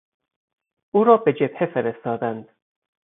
او را به جبهه فرستادند.